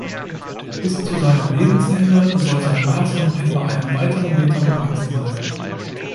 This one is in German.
Bis zu seinem Lebensende soll sein Bart noch etwa einen weiteren Meter gewachsen sein.